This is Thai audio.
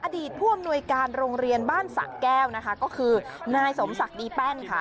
อดีตรวมหน่วยการโรงเรียนบ้านศักดีแป้งค่ะ